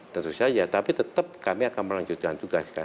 tentu saja tapi tetap kami akan melanjutkan tugas kan